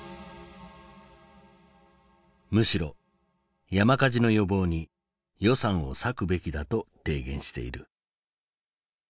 むしろ山火事の予防に予算を割くべきだと提言している。